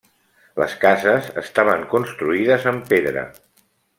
Les cases estaven construïdes amb pedra.